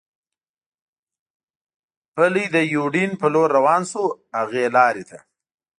پلي د یوډین په لور روان شو، هغې لارې ته.